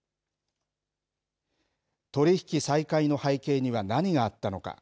取り引き再開の背景には何があったのか。